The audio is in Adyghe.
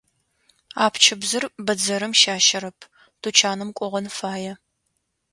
Апчыбзыр бэдзэрым щащэрэп, тучаным кӏогъэн фае.